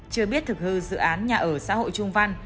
chưa biết thực hư dự án nhà ở xã hội trung văn